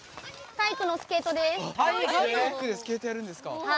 体育でスケートやるんですか。